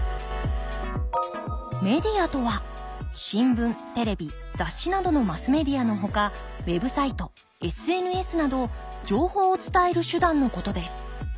メディアとは新聞テレビ雑誌などのマスメディアのほかウェブサイトＳＮＳなど情報を伝える手段のことです。